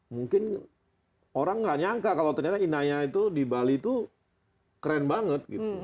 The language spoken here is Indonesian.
mungkin orang nggak nyangka kalau ternyata inaya itu di bali itu keren banget gitu